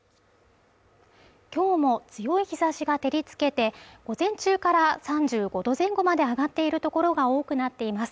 今日も強い日差しが照りつけて午前中から３５度前後まで上がっている所が多くなっています